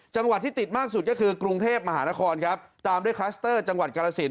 จังหวัดที่ติดมากสุดก็คือกรุงเทพมหานครครับตามด้วยคลัสเตอร์จังหวัดกรสิน